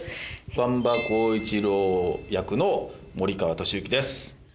番場浩一郎役の森川智之です